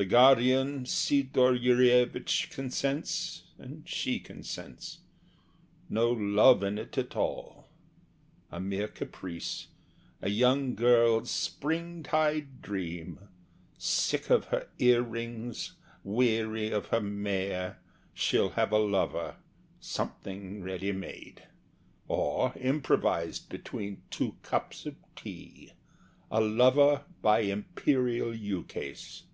The guardian, Sidor Yurievich, consents, And she consents. No love in it at all, A mere caprice, a young girl's spring tide dream. Sick of her ear rings, weary of her mare, She'll have a lover something ready made, Or improvised between two cups of tea A lover by imperial ukase!